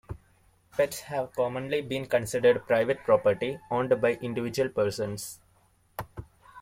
Pets have commonly been considered private property, owned by individual persons.